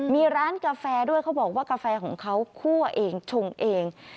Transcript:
มีร้านกาแฟด้วยเขาบอกว่ากาแฟของเขาคั่วเองชงเอง